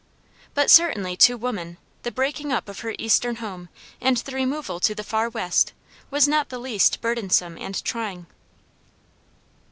But certainly to woman, the breaking up of her eastern home, and the removal to the far west, was not the least burdensome and trying.